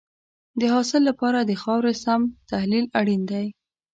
د حاصل لپاره د خاورې سم تحلیل اړین دی.